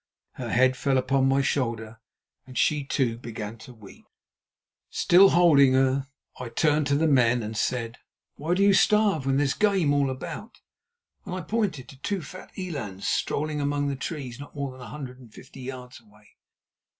Her head fell upon my shoulder, and she too began to weep. Still holding her, I turned to the men and said: "Why do you starve when there is game all about?" and I pointed to two fat elands strolling among the trees not more than a hundred and fifty yards away.